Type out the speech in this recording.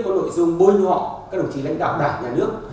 có nội dung bôi nhọ các đồng chí lãnh đạo đảng nhà nước